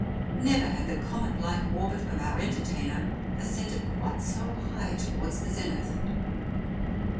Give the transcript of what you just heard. Never had the comet like orbit of our enter tainer ascended quite so high towards the zenith.